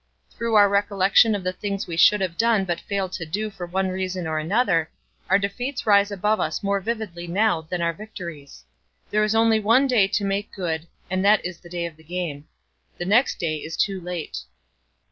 Through our recollection of the things we should have done but failed to do for one reason or another, our defeats rise before us more vividly now than our victories. There is only one day to make good and that is the day of the game. The next day is too late.